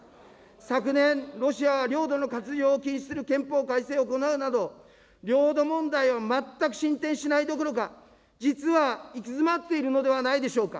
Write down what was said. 昨年、ロシアは領土の割譲を禁止する憲法改正を行うなど、領土問題は全く進展しないどころか、実は行き詰まっているのではないでしょうか。